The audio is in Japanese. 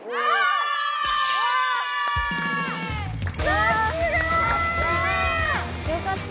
さすが！よかった。